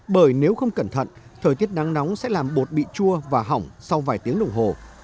bởi nếu không cẩn thận thời tiết nắng nóng sẽ làm bột bị chua và hỏng sau vài tiếng đồng hồ